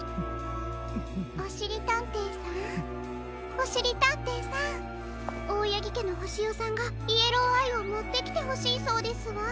おしりたんていさんオオヤギけのホシヨさんがイエローアイをもってきてほしいそうですわ。